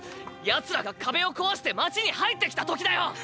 ヤツらが壁を壊して街に入ってきた時だよ！